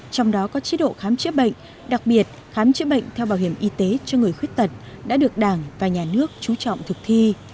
trong đó có chế độ khám chữa bệnh đặc biệt khám chữa bệnh theo bảo hiểm y tế cho người khuyết tật đã được đảng và nhà nước trú trọng thực thi